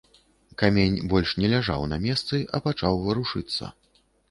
Камень больш не ляжаў на месцы, а пачаў варушыцца.